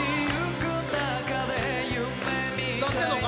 歌ってんのか？